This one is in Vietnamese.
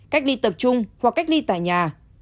cách ly tập trung hoặc cách ly tại nhà